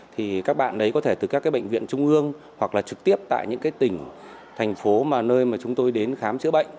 thì các bạn đấy có thể từ các cái bệnh viện trung ương hoặc là trực tiếp tại những cái tỉnh thành phố mà nơi mà chúng tôi đến khám chữa bệnh